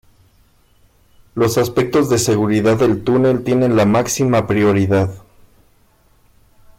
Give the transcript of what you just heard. Los aspectos de seguridad del túnel tienen la máxima prioridad.